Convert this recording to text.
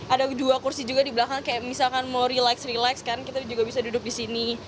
ada dua kursi juga di belakang kayak misalkan mau relax relax kan kita juga bisa duduk di sini